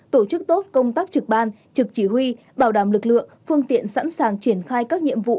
tổ chức tốt công tác trực ban trực chỉ huy bảo đảm lực lượng phương tiện sẵn sàng triển khai các nhiệm vụ